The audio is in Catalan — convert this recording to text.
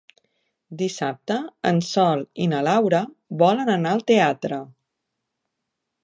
Dissabte en Sol i na Lara volen anar al teatre.